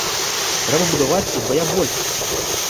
Трэба будаваць удвая больш.